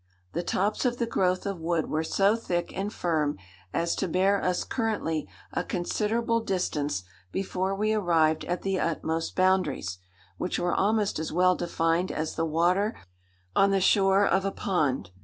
The tops of the growth of wood were so thick and firm as to bear us currently a considerable distance before we arrived at the utmost boundaries, which were almost as well defined as the water on the shore of a pond.